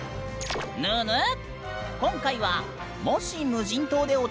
ぬぬっ！